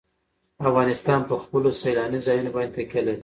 افغانستان په خپلو سیلاني ځایونو باندې تکیه لري.